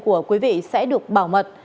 của quý vị sẽ được bảo mật